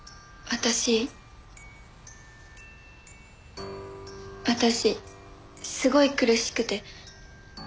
私すごい苦しくて。